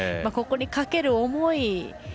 ここにかける思い